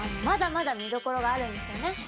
まだまだ見どころがあるんですよね。